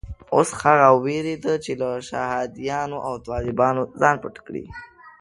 اوس هغه وېرېده چې له شهادیانو او طالبانو ځان پټ کړي.